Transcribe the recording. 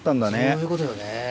そういうことよね。